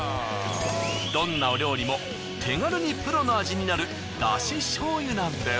どんなお料理も手軽にプロの味になるだし醤油なんです。